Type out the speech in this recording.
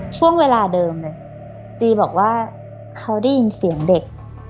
ช่วงเวลาเดิมเลยจีบอกว่าเขาได้ยินเสียงเด็ก